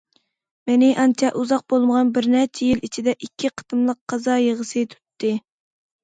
مېنى ئانچە ئۇزاق بولمىغان بىرنەچچە يىل ئىچىدە ئىككى قېتىملىق قازا يىغىسى تۇتتى.